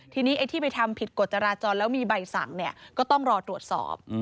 ทีนี้ไอ้ที่ไปทำผิดกฎจราจรแล้วมีใบสั่งเนี่ยก็ต้องรอตรวจสอบ